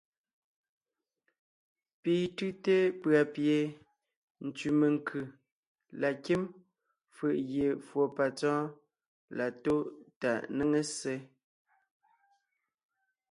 Pi tʉ́te pʉ̀a pie ntsẅì menkʉ̀ la kím fʉʼ gie fùɔ patsɔ́ɔn la tó tà néŋe ssé.